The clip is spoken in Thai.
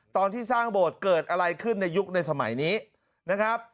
ตอนที่สร้างโบสถ์เกิดอะไรขึ้นในยุคในสมัยนี้นะครับ